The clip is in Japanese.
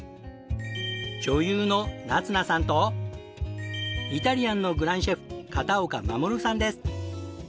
女優の夏菜さんとイタリアンのグランシェフ片岡護さんです。